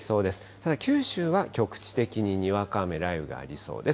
ただ九州は局地的ににわか雨、雷雨がありそうです。